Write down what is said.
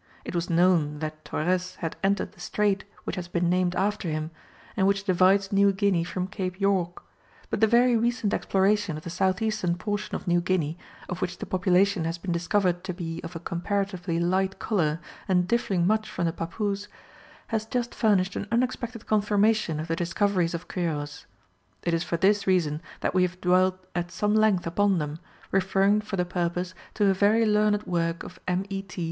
It was known that Torrès had entered the strait which has been named after him, and which divides New Guinea from Cape York; but the very recent exploration of the south eastern portion of New Guinea, of which the population has been discovered to be of a comparatively light colour and differing much from the Papous, has just furnished an unexpected confirmation of the discoveries of Quiros. It is for this reason that we have dwelt at some length upon them, referring for the purpose to a very learned work of M. E. T.